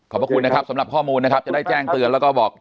พระคุณนะครับสำหรับข้อมูลนะครับจะได้แจ้งเตือนแล้วก็บอก